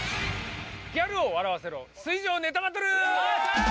ギャルを笑わせろ水上ネタバトル！